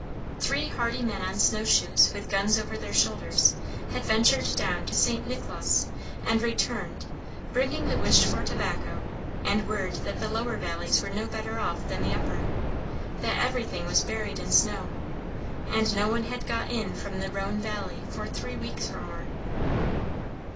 Three hardy men on snow shoes, with guns over their shoulders, had ventured down to St. Nicklaus, and returned, bringing the wished for tobacco and word that the lower valleys were no better off than the upper, that everything was buried in snow, and no one had got in from the Rhone valley for three weeks or more.